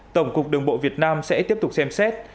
tổng cục đường bộ việt nam sẽ tiếp tục xem xét